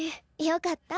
よかった。